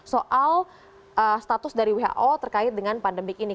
soal status dari who terkait dengan pandemi ini